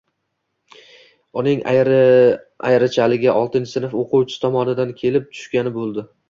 – uning ayrichaligi: oltinchi sinf o‘quvchisi tomonidan kelib tushgani bo‘ldi.